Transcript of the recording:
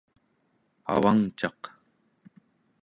avangcaq